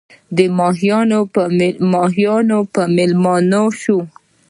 د ماهیانو په مېله سوو